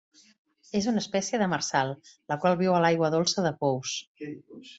És una espècie demersal, la qual viu a l'aigua dolça de pous.